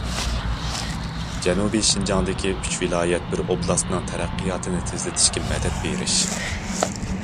جەنۇبىي شىنجاڭدىكى ئۈچ ۋىلايەت، بىر ئوبلاستنىڭ تەرەققىياتىنى تېزلىتىشىگە مەدەت بېرىش.